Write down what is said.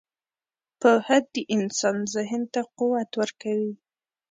• پوهه د انسان ذهن ته قوت ورکوي.